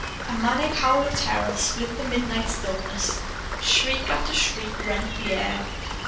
A maniac howl of terror split the midnight stillness. Shriek after shriek rent the air.